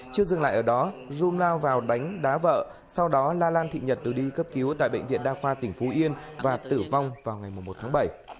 chưa dừng lại ở đó zoom lao vào đánh đá vợ sau đó la lan thị nhật đưa đi cấp cứu tại bệnh viện đa khoa tỉnh phú yên và tử vong vào ngày một tháng bảy